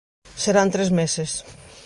Serán tres meses.